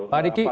pak diki sejauh